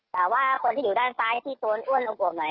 แต่ว่าคนที่อยู่ด้านซ้ายที่โซนอ้วนลงกวบไหน